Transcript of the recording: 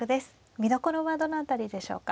見どころはどの辺りでしょうか。